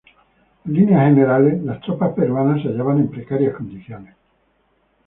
En líneas generales, las tropas peruanas se hallaban en precarias condiciones.